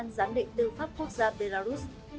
giám định tư pháp quốc gia belarus